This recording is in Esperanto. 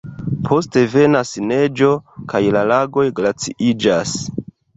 Poste venas neĝo kaj la lagoj glaciiĝas.